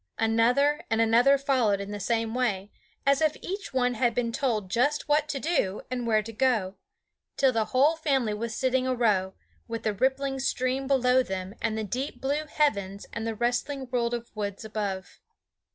Another and another followed in the same way, as if each one had been told just what to do and where to go, till the whole family were sitting a row, with the rippling stream below them and the deep blue heavens and the rustling world of woods above.